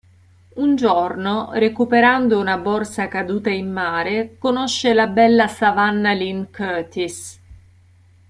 Un giorno, recuperando una borsa caduta in mare, conosce la bella Savannah Lynn Curtis.